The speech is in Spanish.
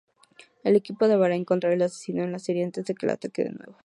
El equipo deberá encontrar al asesino en serie antes de que ataque de nuevo.